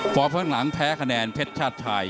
ข้างหลังแพ้คะแนนเพชรชาติไทย